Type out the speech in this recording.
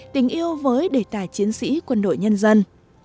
tình yêu với đề tài chiến sĩ quân đội nhân dân